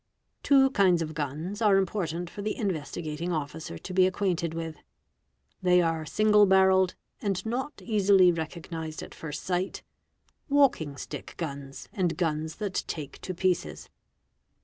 Two kinds of guns are important for the Investigating Officer to be acquainted with. They are single barrelled and not easily recognised at first sight: walking stick guns and guns that take to pieces.